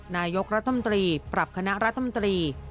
นายกรัฐมนตรีปรับคณะรัฐมนตรี